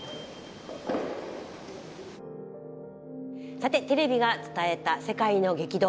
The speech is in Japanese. さてテレビが伝えた世界の激動